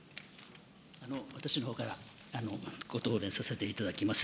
私のほうからご答弁させていただきます。